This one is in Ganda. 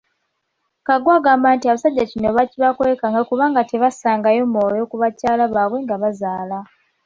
Kaggwa agamba nti abasajja kino baakibakwekanga kubanga tebassangayo mwoyo ku bakyala baabwe nga bazaala.